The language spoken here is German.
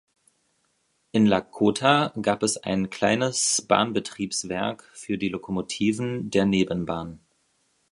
In Lakota gab es ein kleines Bahnbetriebswerk für die Lokomotiven der Nebenbahn.